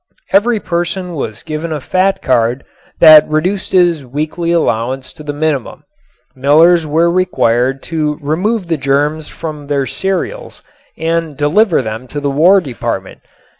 Every person was given a fat card that reduced his weekly allowance to the minimum. Millers were required to remove the germs from their cereals and deliver them to the war department.